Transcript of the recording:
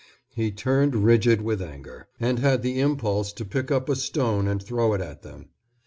He turned rigid with anger, and had the impulse to pick up a stone and throw it at them.